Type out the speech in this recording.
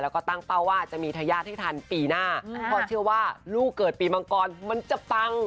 แล้วก็ตั้งเป้าว่าจะมีทายาทให้ทันปีหน้าเพราะเชื่อว่าลูกเกิดปีมังกรมันจะปัง